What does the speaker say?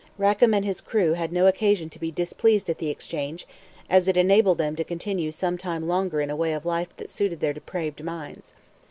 Rackam and his crew had no occasion to be displeased at the exchange, as it enabled them to continue some time longer in a way of life that suited their depraved minds.